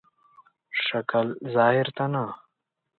شکل ظاهر ته نه.